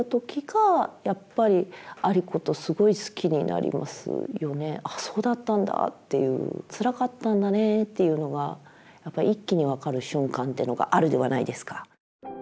あのねえこうちょっとあっそうだったんだっていうつらかったんだねっていうのが一気に分かる瞬間っていうのがあるではないですか。